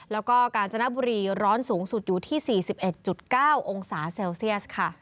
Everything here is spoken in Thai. แล้วก็กาญจนบุรีร้อนสูงสุดอยู่ที่๔๑๙องศาเซลเซียสค่ะ